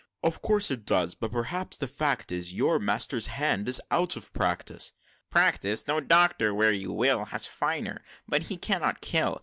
"Of course it does! But p'rhaps the fact is Your master's hand is out of practice!" "Practice? No doctor, where you will, Has finer but he cannot kill!